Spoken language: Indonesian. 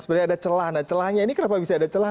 sebenarnya ada celah nah celahnya ini kenapa bisa ada celah